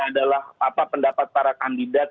adalah pendapat para kandidat